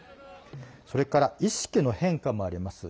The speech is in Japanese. それから意識の変化もあります。